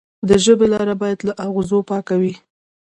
د ژبې لاره باید له اغزو پاکه وي.